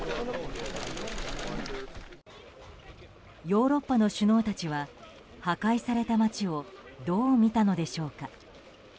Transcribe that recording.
ヨーロッパの首脳たちは破壊された街をどう見たのでしょうか。